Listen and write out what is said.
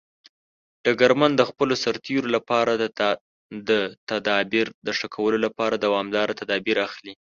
ډګرمن د خپلو سرتیرو لپاره د تدابیر د ښه کولو لپاره دوامداره تدابیر اخلي.